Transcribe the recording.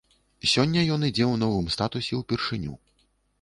Сёння ён ідзе ў новым статусе ўпершыню.